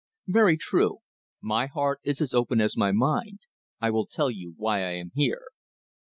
"Very true. My heart is as open as my mind. I will tell you why I am here."